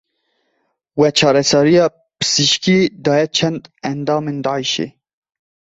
We çareseriya pizîşkî daye çend endamên Daişê?